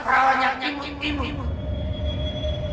tuhan yang imut